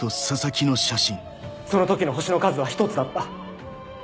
その時の星の数は１つだった。